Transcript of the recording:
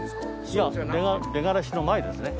いや出がらしの前ですね。